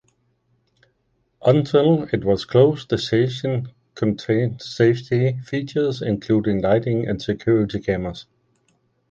Until it was closed, the station contained safety features, including lighting and security cameras.